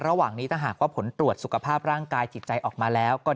ระหว่างนี้ถ้าหากว่าผลตรวจสุขภาพร่างกายจิตใจออกมาแล้วก็